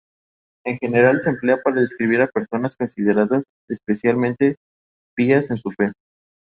Esteban murió sin hijos.